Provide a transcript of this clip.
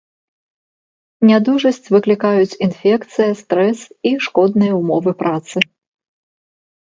Нядужасць выклікаюць інфекцыя, стрэс і шкодныя ўмовы працы.